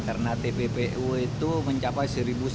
karena tppu itu mencapai